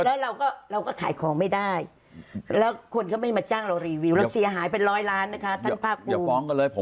แล้วเราก็เราขายของไม่ได้แล้วคนก็ไม่มาจ้างเรารีวิวสินหายเป็น๑๐๐ล้านทางไปได้